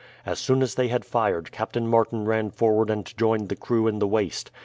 As soon as they had fired Captain Martin ran forward and joined the crew in the waist.